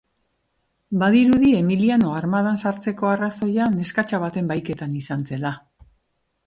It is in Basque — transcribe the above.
Badirudi Emiliano armadan sartzeko arrazoia neskatxa baten bahiketan izan zela.